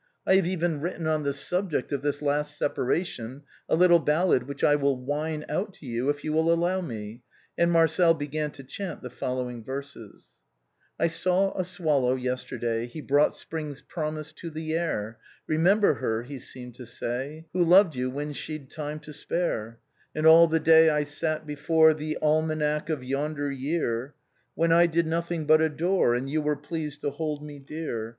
I have even written on the subject of this last separa tion a little ballad which I will whine out to you if you will allow me," and Marcel began to chant the following verses :—" I saw a swallow yesterday, He broiicçht Spring's promise to the air; * Remember her/ he seemed to say, ' Who loved you when she'd time to spare J ' And all the day I sate before The almanac of yonder year, When I did nothing but adore, And you were pleased to hold me dear 340 THE BOHEMIANS OF THE LATIN QUARTES.